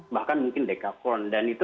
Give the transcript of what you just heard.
bahkan mungkin dekakon dan itu